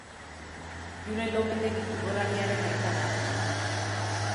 Julen Lopetegi futbolariaren aita da.